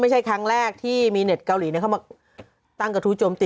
ไม่เจ๊โมยอีกแล้วเหรอเอาต่อเลยเหรอ